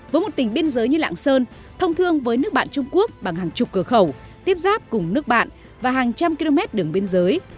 với một tỉnh biên giới như lạng sơn thông thương với nước bạn trung quốc bằng hàng chục cửa khẩu tiếp giáp cùng nước bạn và hàng trăm km đường biên giới